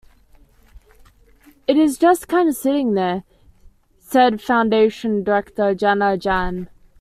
"It is just kind of sitting there", said Foundation director Janna Jahn.